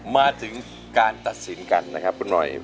มาถึงการตัดสินกันนะครับคุณหน่อย